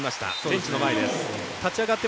ベンチの前です。